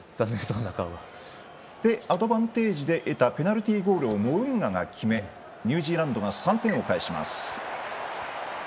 アドバンテージで得たペナルティーゴールをモウンガが決めニュージーランドが３点を返します。